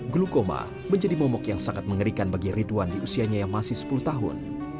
glukoma menjadi momok yang sangat mengerikan bagi ridwan di usianya yang masih sepuluh tahun